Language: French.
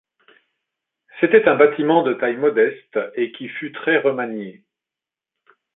C’était un bâtiment de taille modeste et qui fut très remanié.